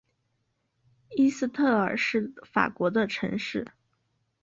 伊斯特尔是法国的城市。